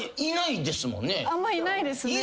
あんまいないですね。